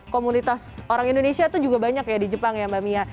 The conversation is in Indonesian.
komunitas orang indonesia itu juga banyak ya di jepang ya mbak mia